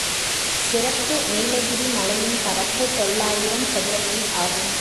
சிறப்பு நீலகிரி மலையின் பரப்பு தொள்ளாயிரம் சதுர மைல் ஆகும்.